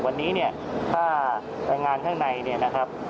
วันนี้เนี่ยถ้าแรงงานข้างในเนี่ยนะครับ